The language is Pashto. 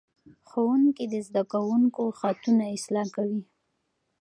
ښوونکي د زده کوونکو خطونه اصلاح کوي.